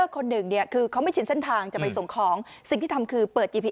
คนหนึ่งเนี่ยคือเขาไม่ชินเส้นทางจะไปส่งของสิ่งที่ทำคือเปิดจีพี